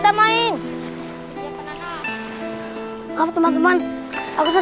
dia selalu berdiri